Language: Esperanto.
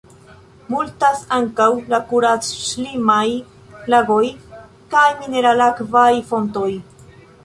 Multas ankaŭ la kurac-ŝlimaj lagoj kaj mineral-akvaj fontoj.